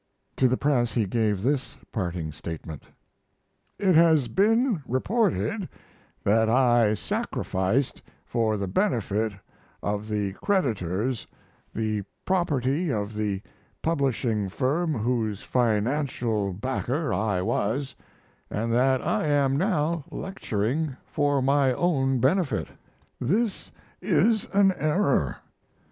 To the press he gave this parting statement: It has been reported that I sacrificed for the benefit of the creditors the property of the publishing firm whose financial backer I was and that I am now lecturing for my own benefit. This is an error.